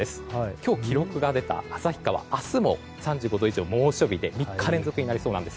今日、記録が出た旭川明日も３５度以上の猛暑日で３日連続になりそうです。